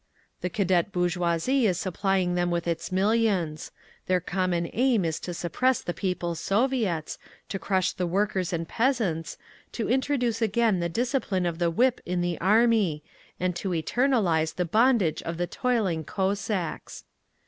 The Cadet bourgeoisie is supplying them with its millions. Their common aim is to suppress the People's Soviets, to crush the workers and peasants, to introduce again the discipline of the whip in the army, and to eternalise the bondage of the toiling Cossacks.